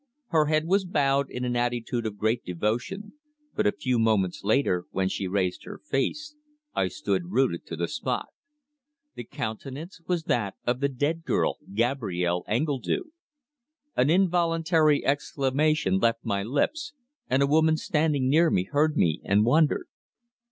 Her head was bowed in an attitude of great devotion, but a few moments later, when she raised her face, I stood rooted to the spot. The countenance was that of the dead girl Gabrielle Engledue! An involuntary exclamation left my lips, and a woman standing near me heard me, and wondered.